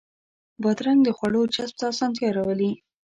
بادرنګ د خواړو جذب ته اسانتیا راولي.